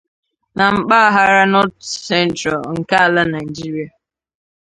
na mpaghara 'North Central' nke ala Nigeria